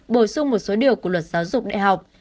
bổ sung một số điều của luật giáo dục đại học